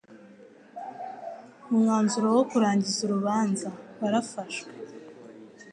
umwanzuro wo kurangiza urubanza warafashwe